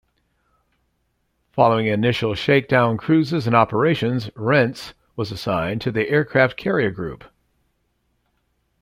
Following initial shakedown cruises and operations, "Rentz" was assigned to the aircraft carrier group.